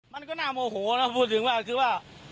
มันก็น่าโมโหนะพูดถึงว่าคือว่า